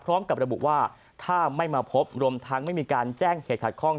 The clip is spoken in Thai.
พร้อมกับระบุว่าถ้าไม่มาพบรวมทั้งไม่มีการแจ้งเหตุขัดข้อง